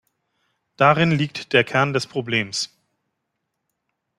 Darin liegt der Kern des Problems.